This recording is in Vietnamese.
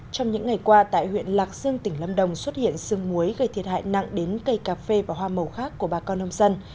trong những ngày qua tại huyện lạc dương tỉnh lâm đồng xuất hiện sương muối gây thiệt hại nặng đến cây cà phê và hoa màu khác của bà con nông dân